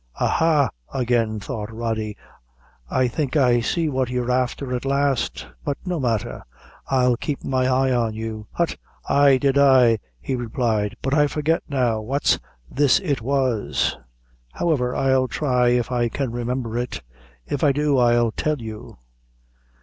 "Ah, ha," again thought Rody, "I think I see what you're afther at last; but no matther, I'll keep my eye on you. Hut, ay did I," he replied; "but I forget now what's this it was. However, I'll try if I can remember it; if I do, I'll tell you."